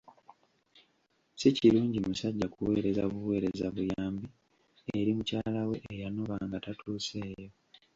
Si kirungi musajja kuweereza buweereza buyambi eri mukyala we eyanoba nga tatuuseeyo